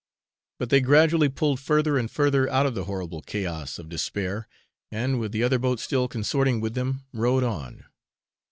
But they gradually pulled further and further out of the horrible chaos of despair, and, with the other boat still consorting with them, rowed on.